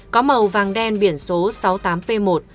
có màu vàng đen biển số sáu mươi tám p một